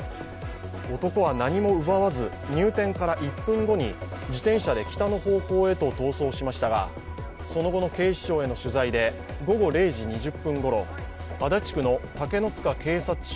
男は何も奪わず、入店から１分後に自転車で北の方向へと逃走しましたがその後の警視庁への取材で午後０時２０分ごろ足立区の竹の塚警察所